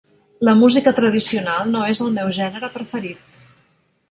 La música tradicional no és el meu gènere preferit.